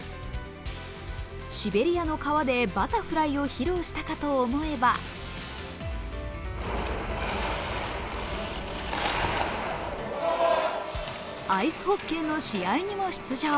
シベリアの川でバタフライを披露したかと思えば、アイスホッケーの試合にも出場。